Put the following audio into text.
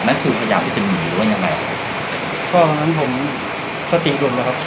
มันคือพยายามไปถึงหนีหรือยังไงก็เพราะฉะนั้นผมสติหลุมแล้วครับ